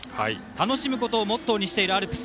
楽しむことをモットーにしているアルプス。